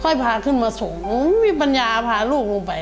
ค่อยพาขึ้นมาส่งมีปัญญาพาลูกลงไป